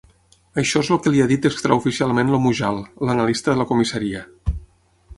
Això és el que li ha dit extraoficialment el Mujal, l'analista de la comissaria.